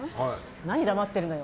何黙ってるのよ。